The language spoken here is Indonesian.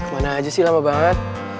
mana aja sih lama banget